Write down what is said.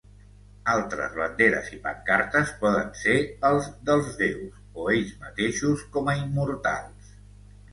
Altres banderes i pancartes poden ser els dels déus o ells mateixos com a immortals.